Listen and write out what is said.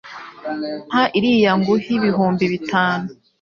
Mpa iriya nguhe ibihumbi bitanu,